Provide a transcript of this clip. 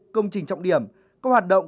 công trình trọng điểm các hoạt động